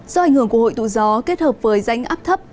do ảnh hưởng của hội tụ gió kết hợp với rãnh áp thấp